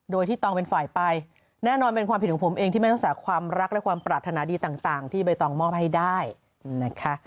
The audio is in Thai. โดยที่ตองเป็นฝ่ายไปแน่นอนเป็นความผิดของผมเองที่ไม่รักษาความรักและความปรารถนาดีต่างที่ใบตองมอบให้ได้นะคะ